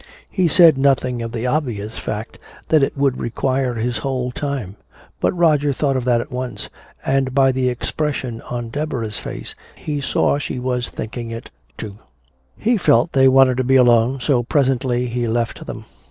He said nothing of the obvious fact that it would require his whole time, but Roger thought of that at once, and by the expression on Deborah's face he saw she was thinking, too. He felt they wanted to be alone, so presently he left them.